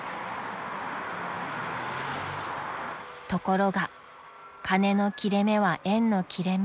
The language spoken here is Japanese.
［ところが金の切れ目は縁の切れ目］